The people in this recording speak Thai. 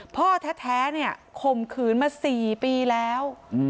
พ่อแท้ข่มขืนมา๔ปีแล้ว